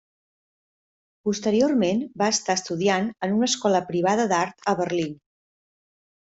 Posteriorment va estar estudiant en una escola privada d'art a Berlín.